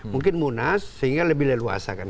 mungkin munas sehingga lebih leluasa kan